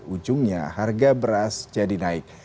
ujungnya harga beras jadi naik